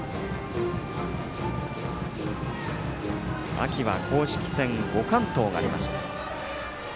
秋は公式戦５完投がありました。